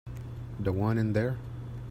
The one in there.